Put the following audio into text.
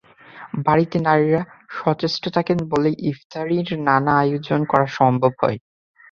বাড়িতে নারীরা সচেষ্ট থাকেন বলেই ইফতারির নানা আয়োজন করা সম্ভব হয়।